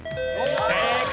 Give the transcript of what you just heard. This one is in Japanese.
正解！